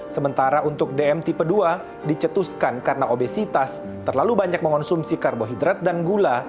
sementara untuk dm tipe dua dicetuskan karena obesitas terlalu banyak mengonsumsi karbohidrat dan gula